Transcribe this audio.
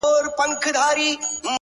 • بزګر وویل خبره دي منمه ,